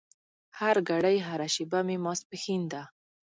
هرګړۍ هره شېبه مې ماسپښين ده